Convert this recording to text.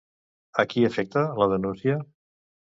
A qui afecta la denúncia?